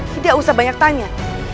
tidak usah banyak tanya